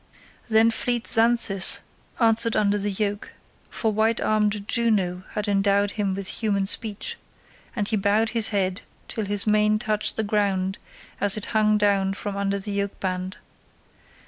Then fleet Xanthus answered under the yoke—for white armed Juno had endowed him with human speech—and he bowed his head till his mane touched the ground as it hung down from under the yoke band.